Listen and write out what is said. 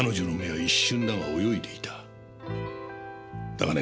だがね